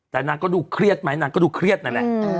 แต่นางก็ดูเครียดไหมนางก็ดูเครียดนั่นแหละ